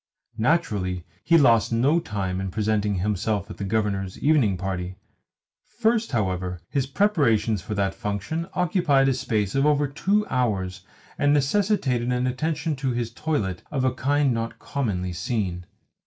Naturally he lost no time in presenting himself at the Governor's evening party. First, however, his preparations for that function occupied a space of over two hours, and necessitated an attention to his toilet of a kind not commonly seen.